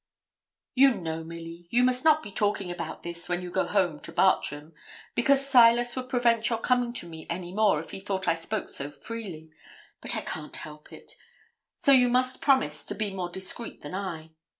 'You know, Milly, you must not be talking about this when you go home to Bartram, because Silas would prevent your coming to me any more if he thought I spoke so freely; but I can't help it: so you must promise to be more discreet than I.